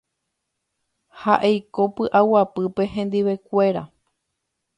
Ha eiko py'aguapýpe hendivekuéra.